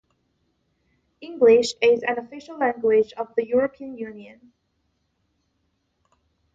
English is an official language of the European Union.